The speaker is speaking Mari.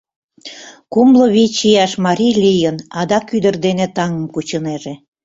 Кумло вич ияш марий лийын — адак ӱдыр дене таҥым кучынеже.